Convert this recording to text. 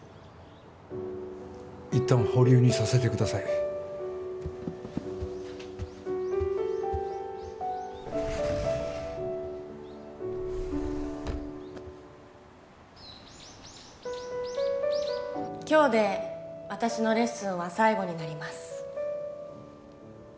一旦保留にさせてください今日で私のレッスンは最後になります